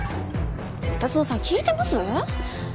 三田園さん聞いてます？